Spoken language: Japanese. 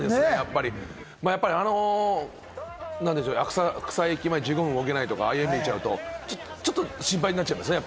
やっぱりあの浅草駅前、１５分動けないとか、ああなっちゃうと、ちょっと心配になっちゃいますね。